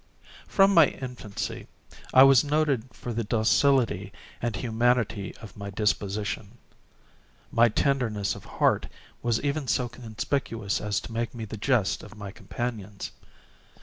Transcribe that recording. From my infancy I was noted for the docility and humanity of my disposition. My tenderness of heart was even so conspicuous as to make me the jest of my companions.